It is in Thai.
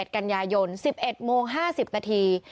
๑กันยายน๑๑โมง๕๐นาที